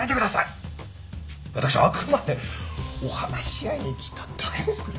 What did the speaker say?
私はあくまでお話し合いに来ただけですから。